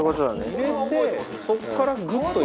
「入れてそこからグッと」